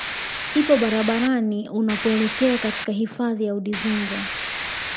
ipo barabarani unapoelekea katika hifadhi ya Udzungwa